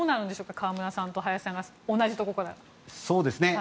河村さんと林さんが同じところから。